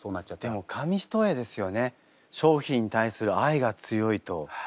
でも紙一重ですよね。